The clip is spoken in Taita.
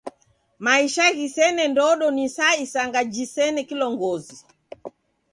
Maisha ghisene ndodo ni sa isanga jisena kilongozi.